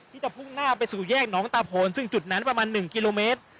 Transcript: ที่จะพุ่งหน้าไปสู่แยกน้องตาโพนซึ่งจุดนั้นประมาณ๑กิโลเมตร